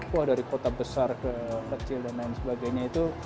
wah dari kota besar ke kecil dan lain sebagainya itu